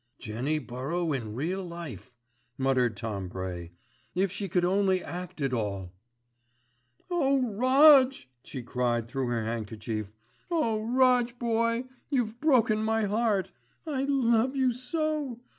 "Jenny Burrow in real life," muttered Tom Bray. "If she could only act it all." "Oh, Roj," she cried through her handkerchief. "Oh! Roj boy, you've broken my heart. I love you so.